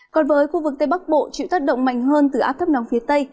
còn với khu vực tây bắc bộ chịu tác động mạnh hơn từ áp thấp nóng phía tây